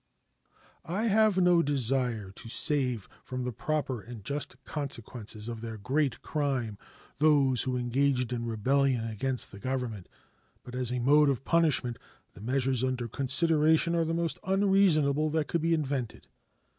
I have no desire to save from the proper and just consequences of their great crime those who engaged in rebellion against the Government, but as a mode of punishment the measures under consideration are the most unreasonable that could be invented.